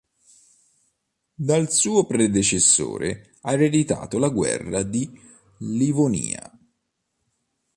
Dal suo predecessore, ha ereditato la guerra di Livonia.